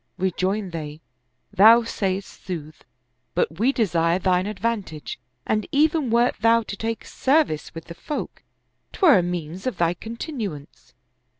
Rejoined they, "Thou sayest sooth, but we desire thine advantage, and even wert thou to take service with the folk, 'twere a means of thy continuance."